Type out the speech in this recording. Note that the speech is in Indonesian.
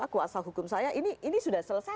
kuasa hukum saya ini sudah selesai